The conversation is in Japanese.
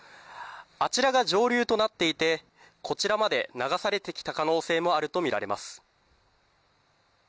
あちらが上流となっていて、こちらまで流されてきた可能性もあると見られます。